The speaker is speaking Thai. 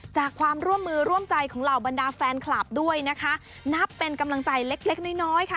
จากความร่วมมือร่วมใจของเหล่าบรรดาแฟนคลับด้วยนะคะนับเป็นกำลังใจเล็กเล็กน้อยน้อยค่ะ